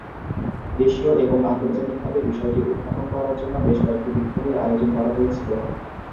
দেশীয় এবং আন্তর্জাতিকভাবে বিষয়টি উত্থাপন করার জন্য বেশ কয়েকটি বিক্ষোভের আয়োজন করা হয়েছিল।